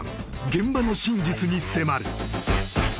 現場の真実に迫る